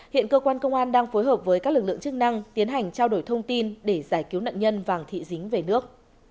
hiện cơ quan công an đang phối hợp với các lực lượng chức năng tiến hành trao đổi thông tin để giải cứu nạn nhân vàng thị dính về nước